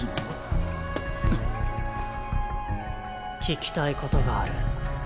聞きたいことがある。